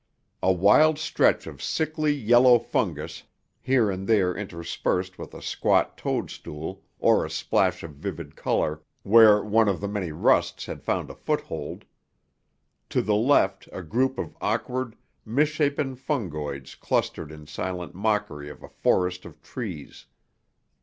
A wild stretch of sickly yellow fungus, here and there interspersed with a squat toadstool or a splash of vivid color where one of the many "rusts" had found a foothold. To the left a group of awkward, misshapen fungoids clustered in silent mockery of a forest of trees.